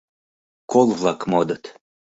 Кол-влак модыт.